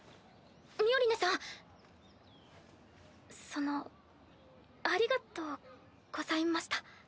ミオリネさんそのありがとうございました。